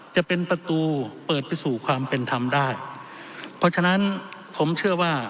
จะเป็นประตูเปิดไปสู่ความเป็นธรรมได้เพราะฉะนั้นผมเชื่อว่า